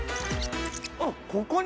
あっここに。